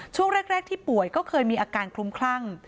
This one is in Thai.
ช่วงแรกที่ป่วยก็เคยมีอาการคลุมคลั่ง